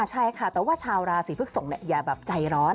ใช่ค่ะแต่ว่าชาวราศีพฤกษกอย่าแบบใจร้อน